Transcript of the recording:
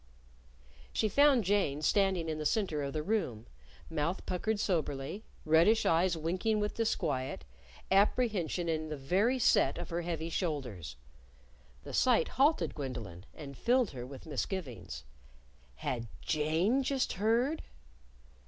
She found Jane standing in the center of the room, mouth puckered soberly, reddish eyes winking with disquiet, apprehension in the very set of her heavy shoulders. The sight halted Gwendolyn, and filled her with misgivings. Had Jane just heard?